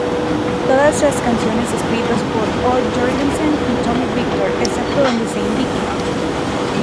Todas las canciones escritas por Al Jourgensen y Tommy Victor, excepto donde se indique.